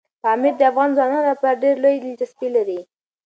پامیر د افغان ځوانانو لپاره ډېره لویه دلچسپي لري.